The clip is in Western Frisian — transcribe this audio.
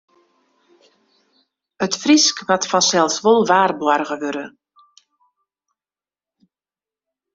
It Frysk moat fansels wol waarboarge wurde.